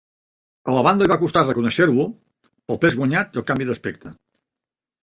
A la banda li va costar reconèixer-lo pel pes guanyat i el canvi d'aspecte.